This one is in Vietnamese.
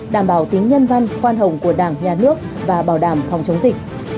đảm bảo tính nhân văn khoan hồng của đảng nhà nước và bảo đảm phòng chống dịch